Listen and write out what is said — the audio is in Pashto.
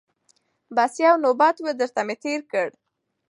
بس یو نوبت وو درته مي تېر کړ